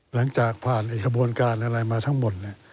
หลังจากผ่านกระบวนการอะไรมาทั้งหมดเนี่ย